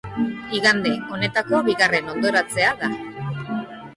Igande honetako bigarren hondoratzea da.